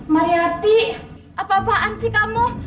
mariati apa apaan sih kamu